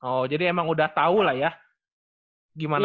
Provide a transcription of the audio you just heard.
oh jadi emang udah tau lah ya gimana